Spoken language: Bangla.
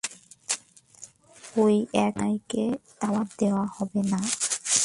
অই এক চোদনাকে দাওয়াত দেওয়া হবে না।